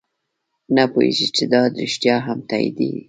نه پوهېږو چې دا رښتیا هم تایید دی.